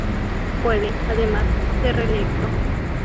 Puede, además, ser reelecto.